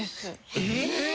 えっ！